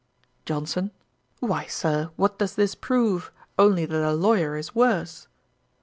JOHNSON. 'Why, Sir, what does this prove? only that a lawyer is worse.